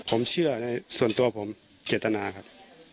ผมเชื่อส่วนตัวผมเกียรตนาครับ